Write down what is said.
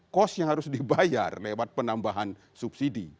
kos yang harus dibayar lewat penambahan subsidi